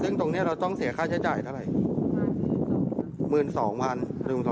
ซึ่งตรงนี้เราต้องเสียค่าใช้จ่ายเท่าไหร่